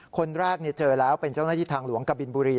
คนแรกเจอแล้วเป็นเจ้าหน้าที่ทางหลวงกบินบุรี